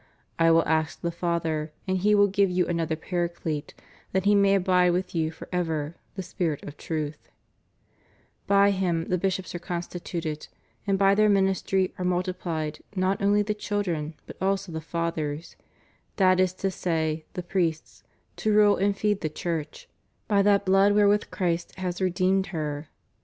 / will ask the Father, and He will give you another Paraclete, that He may abide with you forever, the Spirit of Truths By Him the bishops are constituted, and by their ministry are multiplied not only the children, but also the fathers — that is to say, the priests — to rule and feed the Church by that blood wherewith Christ has redeemed her.